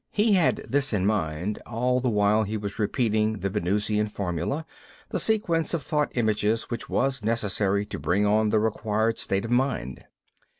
He had this in mind all the while he was repeating the Venusian formula, the sequence of thought images which was necessary to bring on the required state of mind.